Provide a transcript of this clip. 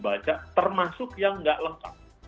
baca termasuk yang nggak lengkap